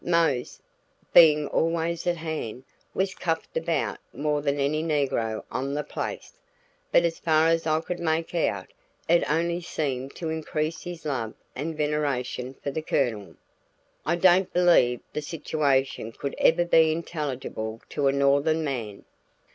Mose, being always at hand, was cuffed about more than any negro on the place, but as far as I could make out, it only seemed to increase his love and veneration for the Colonel. I don't believe the situation could ever be intelligible to a Northern man.